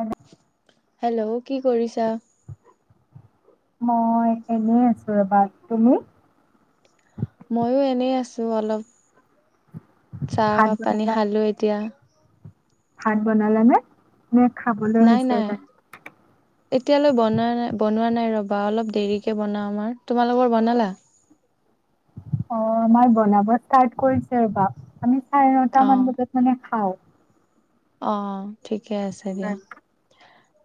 এনে হেল্ল' কি কৰিছা? মই এনেই আছো ৰবা তুমি? ময়ো এনেই আছো অলপ। চাহ ভাত খাহ পানী বনালা খালো এতিয়া? ভাত বনালা নে। নে খাবলৈ নাই হৈছে নাই তাই। এতিয়ালৈ বনোৱা নাই বনোৱা নাই ৰবা অলপ দেৰিকে বনাও আমাৰ তোমালোকৰ বনালা? অ আমাৰ বনাব ষ্টাৰ্ট কৰিছে ৰবা আমি। চাৰে নটা অ', মান বজাত মানে খাওঁ? অ ঠিক? ঠিকে আছে দিয়া।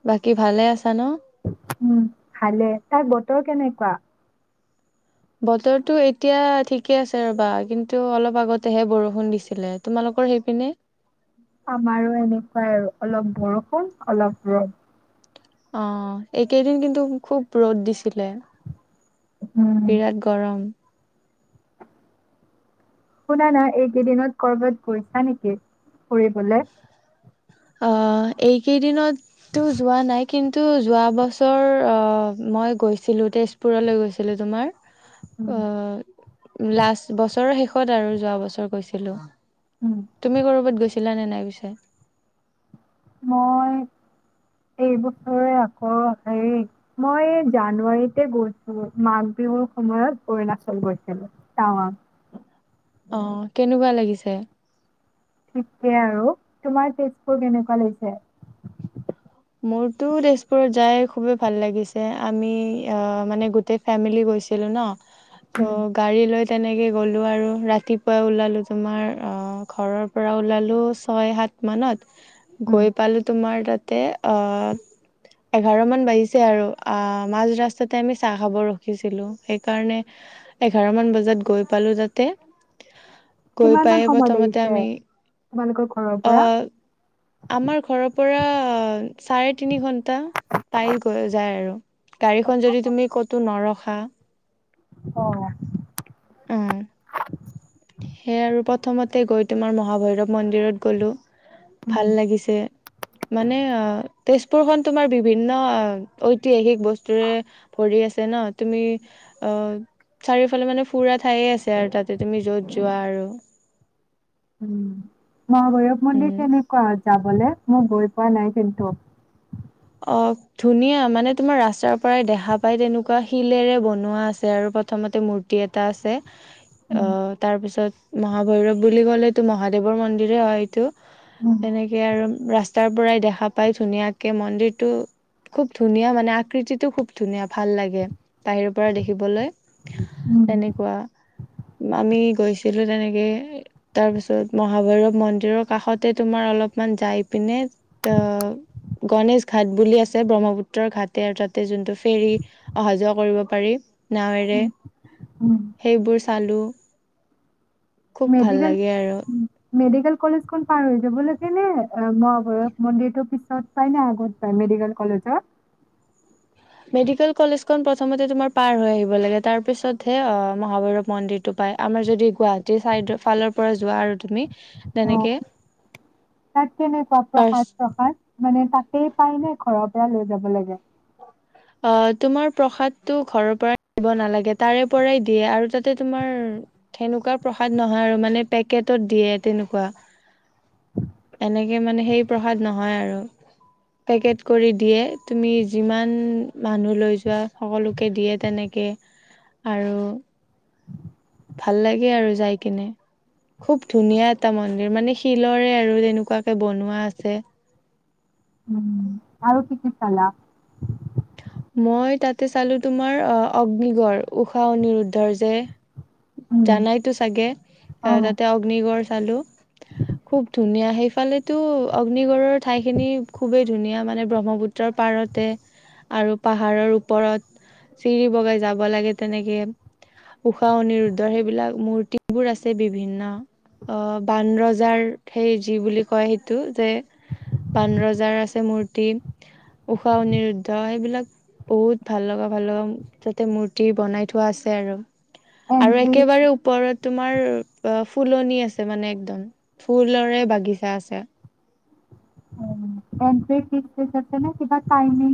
বাকী ভালে আছা ন। উম ভালে তাৰ বতৰ কেনেকোৱা? বতৰতো এতিয়া ঠিকে আছে ৰ'বা কিন্তু অলপ আগতেহে বৰষুণ দিছিলে তোমালোকৰ সেইপিনে। আমাৰো এনেকোৱাই আৰু অলপ বৰষুণ অলপ ৰ'দ। অ এইকেইদিন কিন্তু খুব ৰ'দ দিছিলে? উম বিৰাট গৰম। শুনা না এইকেইদিনত কৰবাত গৈছা নেকি? ফুৰিবলে, অ এইকেইদিনততো যোৱা নাই কিন্তু যোৱা বছৰ অ মই গৈছিলো তেজপুৰলৈ গৈছিলো তোমাৰ। উম আহ লাষ্ট বছৰৰ শেষত আৰু যোৱা বছৰ গৈছিলো? উম তুমি কৰ'বাত গৈছি? লানে নাই পিছে? মই এইবছৰে আকৌ হেৰি? মই জানুৱাৰীতে গৈছো? মাঘ বিহুৰ সময়ত অৰুণাচল গৈছিলো টাৱাং। অ কেনেকোৱা লাগিছে? ঠিকে আৰু তোমাৰ তেজপুৰ কেনেকোৱা লাগিছে? মোৰতো তেজপুৰত যাই খুবেই ভাল লাগিছে আমি মানে গোটেই ফেমিলি গৈছিলো ন। ত উম গাড়ী লৈ তেনেকে গ'লোঁ আৰু ৰাতিপুৱাই ওলালোঁ তোমাৰ ঘৰৰ পৰা ওলালোঁ ছয় সাত মানত উম গৈ পালো তোমাৰ তাতে এঘাৰ মান বাজিছে আৰু মাজ ৰাস্তাতে আমি চাহ খাব ৰখিছিলোঁ সেইকাৰণে এঘাৰমান বজাত গৈ পালোঁ তাতে। গৈ কিমান মান পায় সময় প্ৰথমতে লাগিছে আমি তোমালোকৰ ঘৰৰ পৰা অহ আমাৰ ঘৰৰ পৰা চাৰে তিনি ঘণ্টা পাই যায় আৰু। গাড়ীখন যদি তুমি ক'তো নৰখ হা অ উম সেয় আৰু প্ৰথমতে গৈ তোমাৰ মহাভৈৰৱ মন্দিৰত গ'লো। উম ভাল লাগিছে। মানে অ তেজপুৰ খন তোমাৰ বিভিন্ন ঐতিহাসিক বস্তুৰে ভৰি আছে ন তুমি অ চাৰিওফালে মানে ফুৰাত ঠাইয়ে আছে আৰু তাতে তুমি যত যোৱা আৰু। উম মহাভৈৰৱ মন্দিৰ উম তেনেকুৱা যাবলে? মোক গৈ পোৱা নাই কিন্তু। অ ধুনীয়া মানে তোমাৰ ৰাস্তাৰ পৰাই দেখা পাই তেনেকুৱা শিলেৰে বনোৱা আছে আৰু প্ৰথমতে মূৰ্তি এটা আছে। অ উম তাৰপিছত মহাভৈৰৱ বুলি ক'লেতটো মহাদেৱৰ মন্দিৰে হয় এইটো। উম এনেকে আৰু ৰাস্তাৰ পৰাই দেখা পাই ধুনীয়াকে মন্দিৰ খুব ধুনীয়া মানে আকৃতিটো খুব ধুনীয়া ভাল লাগে বাহিৰৰ পৰা দেখিবলৈ। উম এনেকুৱা। আমি গৈছিলো তেনেকে তাৰপিছত মহাভৈৰৱ মন্দিৰৰ কাষতে তোমাৰ অলপমান যাই পিনে ত গণেশ ঘাট বুলি আছে ব্ৰহ্মপুত্ৰৰ ঘাট আৰু তাতে যোনটো ফেৰী অহা যোৱা কৰিব পাৰি। নাৱেৰে উম উম। সেইবোৰ চালোঁ। খুব ভাল মেডিকেল লাগে আৰু। উম, মেডিকেল কলেজখন পাৰ হৈ যাব লাগে নে অ মহাভৈৰৱ মন্দিৰতো পিছ চত পায় নে আগত পাই মেডিকেল কলেজৰ? মেডিকেল কলেজখন প্ৰথমতে তোমাৰ পাৰ হৈ আহিব লাগে তাৰ পিছত হে মহাভৈৰৱ মন্দিৰটো পাই আমাৰ যদি গুৱা অ তেনেকে তাত কেনেকুৱা ফাৰ্ষ্ট প্ৰসাদ শ্ৰসাদ মানে তাতেই পায় নে ঘৰত এয়া লৈ যাব লাগে? অ তোমাৰ প্ৰসাদটো ঘৰৰ পৰা দিব নালাগে তাৰে পৰাই দিয়ে আৰু তাতে তোমাৰ সেনেকুৱা প্ৰসাদ নহয় আৰু মানে পেকেটত দিয়ে তেনেকুৱা এনেকে মানে সেই প্ৰসাদ নহয় আৰু পেকেট কৰি দিয়ে তুমি যিমান মানুহ লৈ যোৱা সকলোকে দিয়ে তেনেকে আৰু ভাল লাগে আৰু যাই কিনে, খুব ধুনীয়া এটা মন্দিৰ মানে শিলৰে আৰু তেনেকুৱাকে বনোৱা আছে। উম আৰু কি কি চালা? মই তাতে চালো তোমাৰ অগ্নিগড় ঊষা অনিৰুদ্ধৰ যে উম, জানাইতো চাগে অ তাতে অগ্নিগড় চালো খুব ধুনীয়া সেইফালেতো অগ্নিগড়ৰ ঠাইখিনি খুবেই ধুনীয়া মানে ব্ৰহ্মপুত্ৰৰ পাৰতে আৰু পাহাৰৰ ওপৰত চিৰি বগাই যাব লাগে তেনেকে ঊষা অনিৰুদ্ধৰ সেইবিলাক মূৰ্তিবোৰ আছে বিভিন্ন বানৰজাৰ সেই যি বুলি কয় সেইটো যে, বানৰজাৰ আছে মূৰ্তি ঊষা অনৰু ধ সেইবিলাক বহুত ভাল লগা ভাল লগা যাতে মূৰ্তি বনাই থোৱা আছে আৰু। আৰু এণ্ট্ৰি একেবাৰে ওপৰত তোমাৰ ফুলনি আছে মানে একদম, ফুলৰে বাগিছা আছে। অ এনট্ৰি ফিছ দিছতে নে কিবা টাইমিং?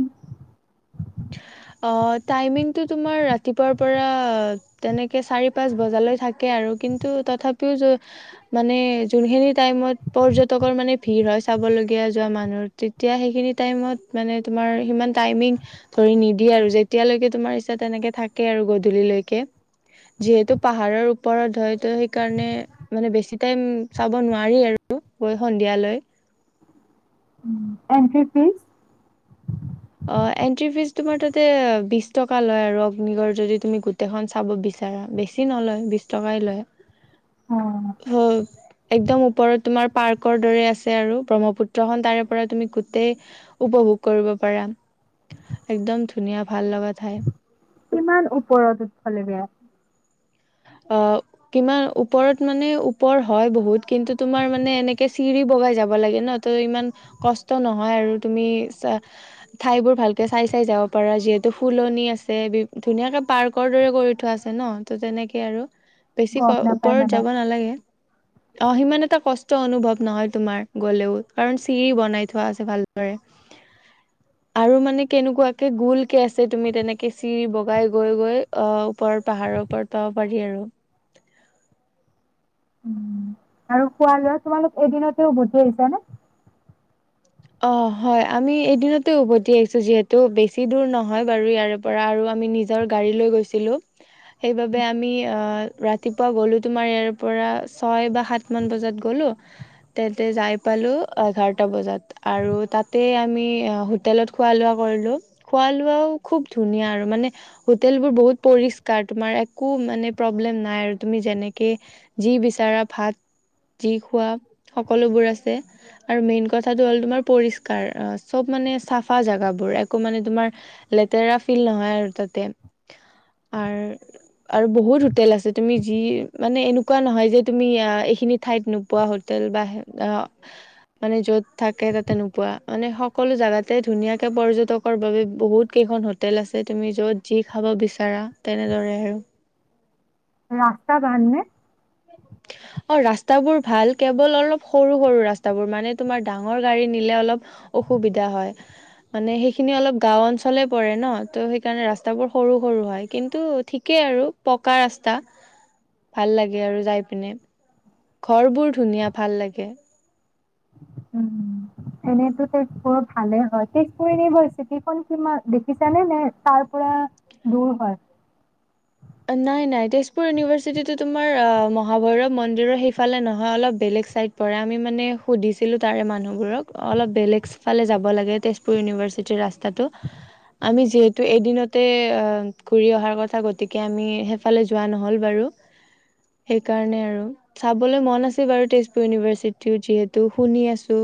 অ টাইমিংটো তোমাৰ ৰাতিপুৱাৰ পৰা তেনেকে চাৰি পাঁচ বজালৈ থাকে আৰু কিন্তু তথাপিও যে মানে যোনখিনি টাইমত পৰ্যটকৰ মানে ভিৰ হয় চাবলৈ যোৱা মানুহ তেতিয়া সেইখিনি টাইমত মানে তোমাৰ সিমান টাইমিং ধ নিদিয়ে আৰু যেতিয়ালৈকে তোমাৰ ইচছা তেনেকে থাকে আৰু গধূলৈকে যিহেতু পাহাৰৰ ওপৰত হয় ত সেইকাৰণে মানে বেছি টাইম, চাব নোৱাৰি আৰু গৈ সন্ধিয়ালৈ এণ্ট্ৰি ফিচ। অ এনট্ৰি ফিজ তোমাৰ তাতে বিশ টকা লয় আৰু অগ্নিগড় যদি তুমি গোটেইখন চাব বিচাৰা, বেছি নলয় বিছ টকাই লয় অ, ।হমম একদম ওপৰত তোমাৰ পাৰ্কৰ দৰে আছে আৰু ব্ৰহ্মপুত্ৰখন তাৰে পৰা তুমি গোটেই উপভোগ কৰিব পাৰা । একদম ধুনীয়া ভাল লগা ঠাই। কিমান ওপৰত উঠবলে লাগে? অ কিমান ওপৰত মানে ওপৰ হয় বহুত কিন্তু তোমাৰ মানে এনেকে চিৰি বগাই যাব লাগে ন ত ইমান কষ্ট নহয় আৰু তুমি ঠাই বোৰ ভালকে চাই চাই যাব পাৰা, যিহেতু ফুলনি আছে ধুনীয়াকে পাৰ্কৰ দৰে কৰি থোৱা আছে ন ত তেনেকে হে আৰু। বেছি ক গম নাপাই ওপৰত মানে? যাব নালাগে অ সিমান এটা কষ্ট কষ্ট অনুভৱ নহয় তোমাৰ গলেও, কাৰণ চিৰি বনাই থোৱা আছে ভালদৰে আৰু মানে কেনেকুৱাকে গোলকে আছে তুমি তেনেকে চিৰি বগাই গৈ গৈ অ ওপৰৰ পাহাৰৰ ওপৰত প পাব পাৰি আৰু। উম আৰু খোৱা লোৱা তোমালোক এদিনতে উভতি আহিছা নে? অ হয় আমি এদিনতে উভতি আহিছো যিহেতু বেছি দূৰ নহয় বাৰু ইয়াৰে পৰা আৰু আমি নিজৰ গাড়ী লৈ গৈছিলো সেইবাবে আমি ৰাতিপুৱা গলো তোমাৰ ইয়াৰে পৰা ছয় বা সাত মান বজাত গলো, তাতে যাই পালো এঘাৰটা বজাত। আৰু তাতে আমি হোটেলত খোৱা লোৱা কৰিলোঁ। খোৱা লোৱাও খুব ধুনীয়া আৰু মানে হোটেলবোৰ বহুত পৰিষ্কাৰ তোমাৰ একো মানে প্ৰব্লেম নাই আৰু তুমি যেনেকে যি বিচাৰা ভাত যি খোৱা সকলোবোৰ আছে আৰু মেইন কথা হ তোমাৰ পৰিষ্কাৰ চব মানে চাফা জোগাবোৰ একো মানে তোমাৰ লেতেৰা ফিল নহয় আৰু তাতে আৰু আৰু বহুত হোটেল আছে তুমি যি মানে এনেকুৱা নহয় যে তুমি এইখিনি ঠাইত নোপোৱা হোটেল বা মানে য'ত থাকে তাতে নোপোৱা, মানে সকলো যাগাতে ধুনীয়াকে পৰ্যটকৰ বাবে বহুত কেইখন হোটেল আছে তুমি যত যি খাব বিচাৰা তেনেদৰে আৰু ৰাস্তা বান্ধ নে? অ ৰাস্তাবোৰ ভাল কেৱল অলপ সৰু সৰু ৰাস্তাবোৰ, মানে তোমাৰ ডাঙৰ গাড়ী নিলে অলপ অসুবিধা হয় মানে সেইখিনি অলপ গাওঁ অঞ্চলে পৰে ন ত সেইকাৰণে ৰাস্তাবোৰ সৰু সৰু হয় কিন্তু ঠিকেই আৰু পকা ৰাস্তা ভাল লাগে আৰু যাই। এপিনে ঘৰ বোৰ ধুনীয়া ভাল লাগে। উম এনেতো তেজপুৰ ভালে হয়, তেজপুৰ ইউনিভাৰ্চিটিখন কিমান দেখিছানে? নে তাৰ পৰা দূৰ হয়? নাই নাই, তেজপুৰ ইভাৰ্চিটিটো তোমাৰ মহাভৈৰৱ মন্দিৰৰ সেইফালে নহয় অলপ বেলেগ চাইদ পৰে, আমি মানে সুধিছিলো তাৰে মানুহবোৰক অলপ বেলেগ চাইত যাব লাগে তেজপুৰ ইউনিভাৰ্চিটিৰ ৰাস্তাটো আমি যিহেতু এদিনতে অ গতিকে আমি সেইফালে যোৱা নহ'ল বাৰু সেইকাৰণে আৰু চাবলৈ মন আছে বাৰু তেজপুৰ ইউনিভাৰ্চিটি যিহেতু শুনি আছো,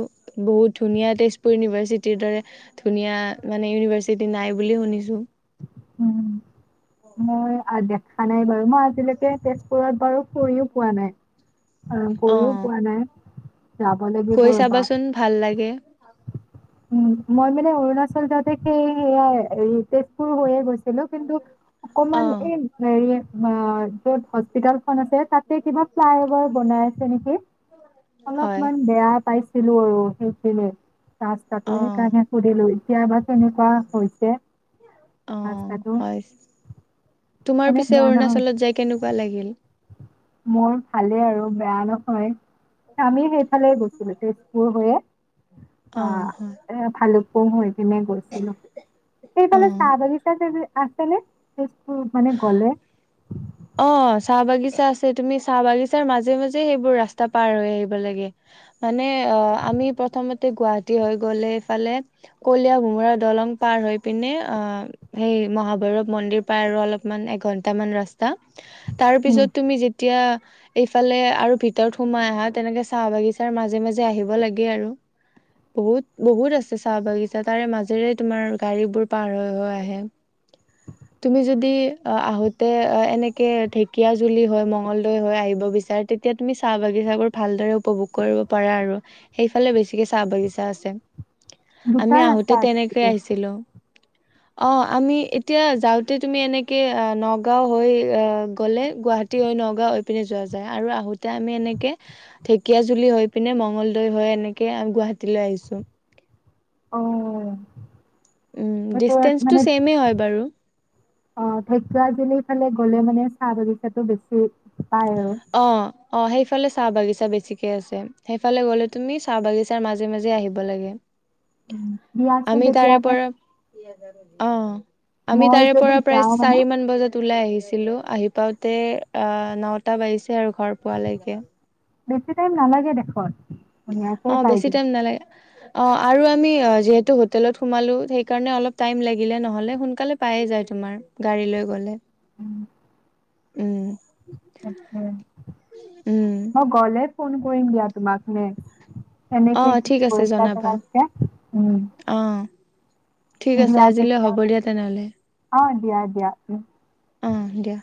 বহুত ধুনীয়া তেজপুৰ ইভাৰ্চিটিৰ দৰে ধুনীয়া মানে ইনিভাৰ্চিটি নাই বুলি শুনিছো । উম মই । দেখা নাই বাৰু মই আজিলৈকে তেজপুৰত বাৰু ফুৰিও পোৱা নাই । অ গৈয়ো অঁ পোৱা নাই। যাব লাগিব গৈ ৰ'বা চাবাচোন ভাল লাগে। উম মই মানে অৰুণাচল যাওতে সেই সেয়া তেজপুৰ হৈয়ে গৈছো। ছিলো, কিন্তু অকমান অঁ এই হেৰিয়ে যত হস্পিটেল খন আছে, তাতে কিবা ফ্লাই অভাৰ বনাই আছে নেকি? হয় অলপমান বেয়া পাইছে ৰখিছিলোঁ ৰখিছিলোঁ ত [unintelligible] সেই অঁ কাৰণে সোধিলো এতিয়া বা কেনেকুৱা হৈছে অঁ ৰাস্তাটো হয় তোমাৰ এনে পিছে বেয়া নহয় অৰুণাচলত যাই কেনেকুৱা লাগিল মোৰ ভালেই আৰু বেয়া নহয় হয় আমি সেইফালে গৈছিলো তেজপুৰ হৈয়ে অ অঁ হয় এ ভালে অ হয় এনে গৈছিলো সেইফালে অঁ চাহ বাগিচা আছে নে তেজপুৰ ফালে গলে অ চাহ বাগিছা আছে তুমি চাহ বাগিচাৰ মাজে মাজে সেইবোৰ ৰাস্তা পাৰ হৈ আহিব লাগে মানে আমি প্ৰথমতে গুৱাহাটী হৈ গলে এইফালে কলিয় ভোমোৰা দলং পাৰ হৈ পিনে অ সেই মহাভৈৰৱ মন্দিৰ পাৰ আৰু অলপমান এঘন্টা মান ৰাস্তা তাত উম তাৰপিছত তুমি যেতিয়া এইফালে আৰু ভিতৰত সোমাই আহা তেনেকে চাহ বাগিচাৰ মাজে মাজে আহিব লাগে আৰু বহুত বহুত আছে চাহ বাগিছা তাৰে মাজেৰে তোমাৰ গাড়ী বোৰ পাৰ হৈ হৈ আহে তুমি যদি আহোতে এনেকে ঢেকিয়া জুলি হৈ মংলদৈ হৈ আহিব বিচাৰে তেতিয়া চাহ বাগি উপভোগ কৰিব পাৰা আৰু সেই ফালে বেছিকে চাহ বাগিচা আছে দুটা আমি আহোঁতে ৰাস্তা আছে তেনেকে নেকি? আহিছিলো অ আমি এতিয়া যাওঁতে তুমি এনেকে নগাঁও নগাওঁ হৈ আহ গ'লে গুৱাহাটী হৈ নগাওঁ হৈ এই পিনে যোৱা যায় আৰু আহোতে আমি এনেকে ঢেকিয়াজুলি হৈ পিনে মংগলদৈ হৈ এনেকে গুৱাহাটিলৈ আহিছো অ উম সেটো ডিচটেন্সটো মানে ছেমে হয় বাৰু অ ঢেকীয়াজুলি ফালে গলে মানে চাহ বাগিচাটো বেছি পায় আৰু অ অ সেইফালে চাহ বাগিচা বেছিকৈ আছে সেইফালে গ'লে তুমি চাহ বাগিচাৰ মাজে মাজে আহিব লাগে দিয়া চুন আমি তাৰে তেতিয়া হ'লে পৰা অ আমি তাৰে যদি পৰা প্ৰায় যাওঁ মানে চাৰি মান বজাত উলাই আহিছো আহিলো আহি পাওঁতে অ ন টা বাজিছে আৰু ঘৰ পোৱালৈকে বেছি টাইম নালাগে দেখোন ধুনীয়াকে অ পাই বেছি যাম। টাইম নালাগে অঁ আৰু আমি যিহেতু হোটেলত সোমালোঁ সেইকাৰণে অলপ টাইম লাগিলে নহ'লে সোনকালে পায়ে যায় তোমাৰ গাড়ী লৈ গ'লে উম উম উম মই গলে ফোন কৰিম দিয়া তোমাকে এনে অ ক কি ঠিক আছে গৈছা জনাবা তমক উম [inaudible] [unintelligible] অ ঠিক আছে দিয়া আজিলৈ তেতিয়া হ'ব দিয়া তেনেহ'লে অ দিয়া দিয়া উম । অঁ দিয়া